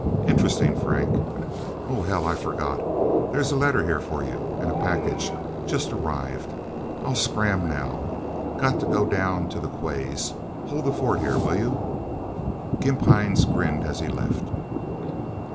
Interesting, Frank... Oh, hell, I forgot there's a letter here for you. And a package. Just arrived... I'll scram, now. Got to go down to the quays. Hold the fort, here, will you?" Gimp Hines grinned as he left.